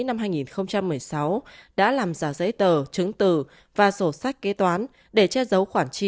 năm hai nghìn một mươi sáu đã làm giả giấy tờ chứng từ và sổ sách kế toán để che giấu khoản chi